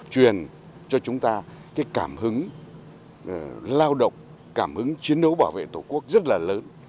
truyền cho chúng ta cái cảm hứng lao động cảm hứng chiến đấu bảo vệ tổ quốc rất là lớn